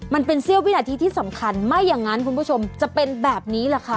มันเป็นเสี้ยววินาทีที่สำคัญไม่อย่างนั้นคุณผู้ชมจะเป็นแบบนี้แหละค่ะ